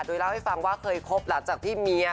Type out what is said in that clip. โดยเล่าให้ฟังว่าเคยคบหลังจากที่เมีย